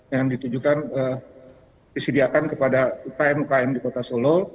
yang ditujukan disediakan kepada km km di kota solo